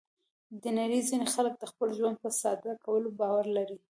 د نړۍ ځینې خلک د خپل ژوند په ساده کولو باور لري.